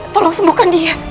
tolong sembuhkan dia